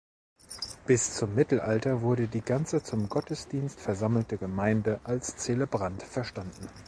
Bis zum Mittelalter wurde die ganze zum Gottesdienst versammelte Gemeinde als Zelebrant verstanden.